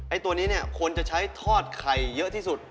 ตัวนี้เนี่ยควรจะใช้ทอดไข่เยอะที่สุด